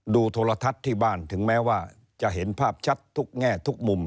โทรทัศน์ที่บ้านถึงแม้ว่าจะเห็นภาพชัดทุกแง่ทุกมุม